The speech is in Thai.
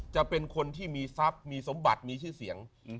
จะเป็นคนที่มีทรัพย์มีสมบัติมีชื่อเสียง